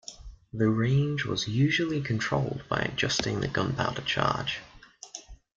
The range was usually controlled by adjusting the gunpowder charge.